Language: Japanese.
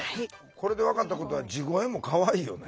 これで分かったことは地声もかわいいよね。